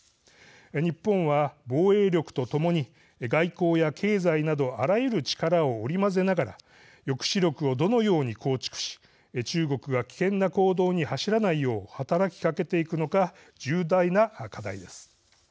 日本は、防衛力とともに外交や経済などあらゆる力を織り交ぜながら抑止力をどのように構築し中国が危険な行動に走らないよう働きかけていくのか重大な課題です。